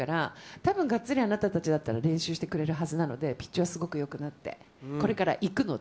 たぶんがっつりあなたたちだったら練習してくれるはずなので、ピッチはすごくよくなって、これからいくので。